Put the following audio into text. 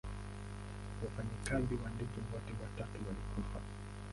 Wafanyikazi wa ndege wote watatu walikufa.